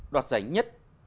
đoạt giải nhất